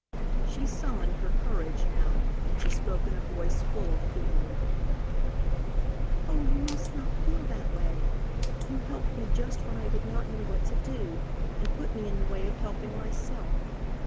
She summoned her courage now, and spoke in a voice full of feeling: "Oh, you must not feel that way. You helped me just when I did not know what to do, and put me in the way of helping myself.